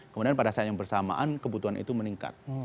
kemudian pada saat yang bersamaan kebutuhan itu meningkat